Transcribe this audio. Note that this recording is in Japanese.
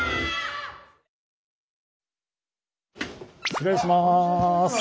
失礼します。